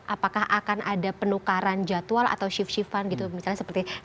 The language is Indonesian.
apakah akan ada penukaran jadwal atau shift shiftan gitu misalnya seperti saya nih ya